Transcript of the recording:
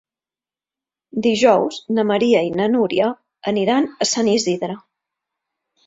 Dijous na Maria i na Núria aniran a Sant Isidre.